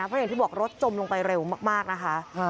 เพราะอย่างที่บอกรถจมลงไปเร็วมากนะคะ